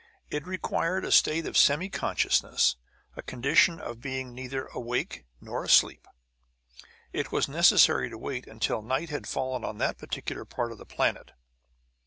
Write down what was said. It required a state of semi consciousness, a condition of being neither awake nor asleep. It was necessary to wait until night had fallen on that particular part of the planet.